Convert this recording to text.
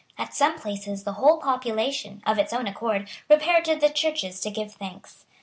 At some places the whole population, of its own accord, repaired to the churches to give thanks.